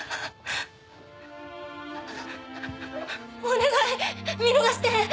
お願い見逃して！